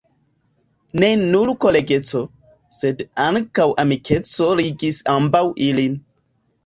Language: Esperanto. Ne nur kolegeco, sed ankaŭ amikeco ligis ambaŭ ilin.